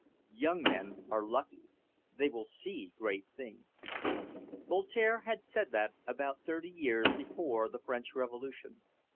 "Young men are lucky. They will see great things." Voltaire had said that about thirty years before the French Revolution.